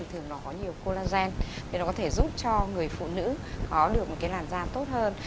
thường nó có nhiều collagen nó có thể giúp cho người phụ nữ có được một cái làn da tốt hơn